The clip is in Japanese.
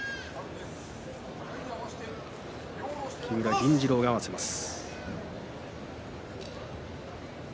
木村銀治郎が合わせます。